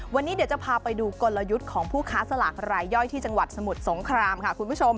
วันนี้เดี๋ยวจะพาไปดูกลยุทธ์ของผู้ค้าสลากรายย่อยที่จังหวัดสมุทรสงครามค่ะคุณผู้ชม